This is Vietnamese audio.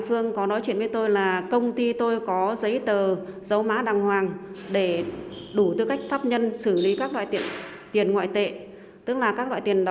xin chào và hẹn gặp lại